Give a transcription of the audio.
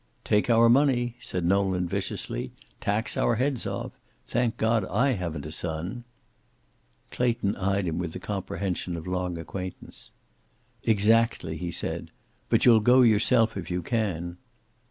"Take our money," said Nolan viciously. "Tax our heads off. Thank God I haven't a son." Clayton eyed him with the comprehension of long acquaintance. "Exactly," he said. "But you'll go yourself, if you can."